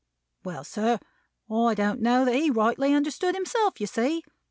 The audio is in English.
"Well, sir, I don't know that he rightly understood himself, you see.